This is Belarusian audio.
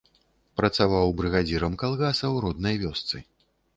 Працаваў брыгадзірам калгаса ў роднай вёсцы.